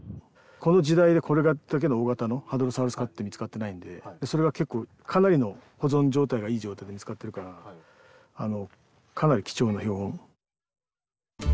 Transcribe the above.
この時代でこれだけの大型のハドロサウルス科って見つかってないんでそれが結構かなりの保存状態がいい状態で見つかってるからかなり貴重な標本。